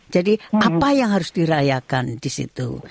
jadi apa yang harus dirayakan di situ